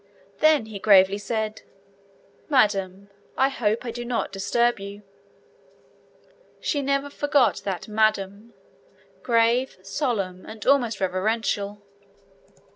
Then he gravely said, 'Madam, I hope I do not disturb you.' She never forgot that 'Madam' grave, solemn, almost reverential.